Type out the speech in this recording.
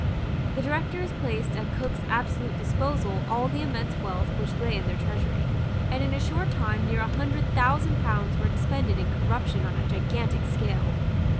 The Directors placed at Cook's absolute disposal all the immense wealth which lay in their treasury; and in a short time near a hundred thousand pounds were expended in corruption on a gigantic scale.